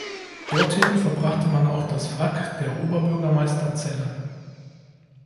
Dorthin verbrachte man auch das Wrack der Oberbürgermeister Zelle.